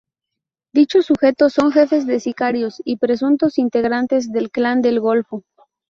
Dichos sujetos son jefes de sicarios y presuntos integrantes del Clan del Golfo.